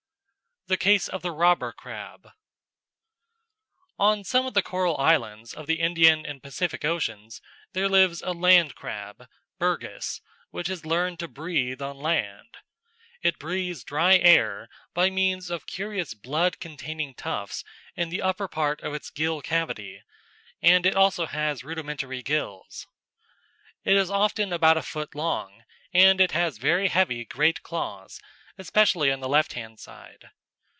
The Case of the Robber Crab On some of the coral islands of the Indian and Pacific Oceans there lives a land crab, Birgus, which has learned to breathe on land. It breathes dry air by means of curious blood containing tufts in the upper part of its gill cavity, and it has also rudimentary gills. It is often about a foot long, and it has very heavy great claws, especially on the left hand side.